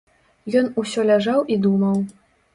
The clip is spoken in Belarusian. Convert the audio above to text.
Ён усё ляжаў і думаў.